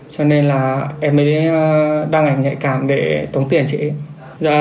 cho nên là em mới đăng ảnh nhạy cảm để tống tiền chị em